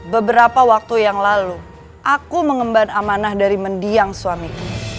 beberapa waktu yang lalu aku mengemban amanah dari mendiang suamiku